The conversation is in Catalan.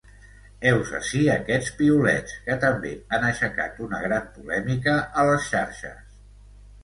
Heus ací aquests piulets, que també han aixecat una gran polèmica a les xarxes.